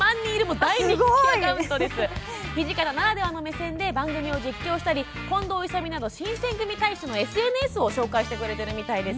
土方ならではの目線で番組を実況したり近藤勇など新選組隊士のＳＮＳを紹介してくれているみたいです。